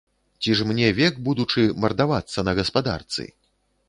Ці ж мне век, будучы, мардавацца на гаспадарцы?